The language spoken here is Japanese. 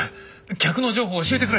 客の情報を教えてくれ！